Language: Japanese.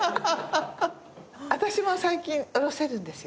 私も最近降ろせるんですよ。